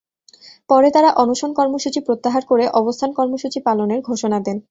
পরে তাঁরা অনশন কর্মসূচি প্রত্যাহার করে অবস্থান কর্মসূচি পালনের ঘোষণা দেন।